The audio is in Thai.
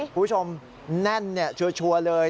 คุณผู้ชมแน่นชัวร์เลย